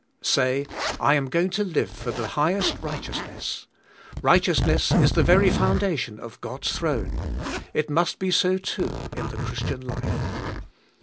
Say, I am going to live for the highest righteousness. Righteousness is the very foundation of God's throne; it must be so too in the Christian life.